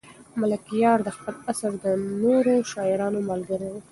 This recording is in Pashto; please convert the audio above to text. ملکیار د خپل عصر د نورو شاعرانو ملګری و.